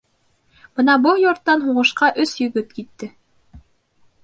Бына был йорттан һуғышҡа өс егет китте.